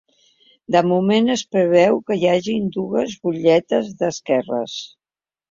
De moment, es preveu que hi hagi dues butlletes d’esquerres.